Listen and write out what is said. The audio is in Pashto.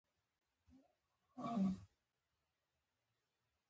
بېرته جرمني ته ولاړم.